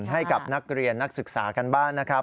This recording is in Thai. ให้กับนักเรียนนักศึกษากันบ้างนะครับ